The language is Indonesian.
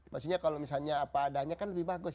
maksudnya kalau misalnya apa adanya kan lebih bagus